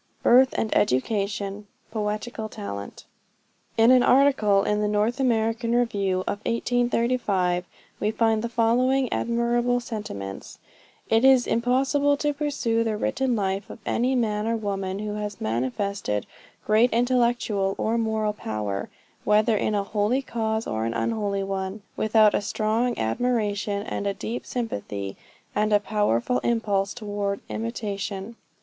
BIRTH AND EDUCATION. POETICAL TALENT. In an article in the North American Review of 1835, we find the following admirable sentiments: "It is impossible to peruse the written life of any man or woman who has manifested great intellectual or moral power, whether in a holy cause or an unholy one, without a strong admiration and a deep sympathy, and a powerful impulse toward imitation.